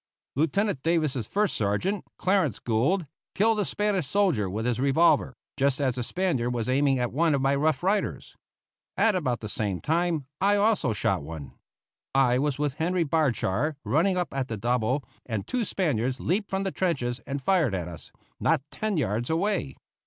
Lieutenant Davis's first sergeant, Clarence Gould, killed a Spanish soldier with his revolver, just as the Spaniard was aiming at one of my Rough Riders. At about the same time I also shot one. I was with Henry Bardshar, running up at the double, and two Spaniards leaped from the trenches and fired at us, not ten yards away.